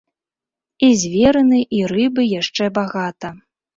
І зверыны і рыбы яшчэ багата.